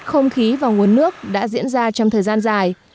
không khí và nguồn nước đã diễn ra trong thời gian dài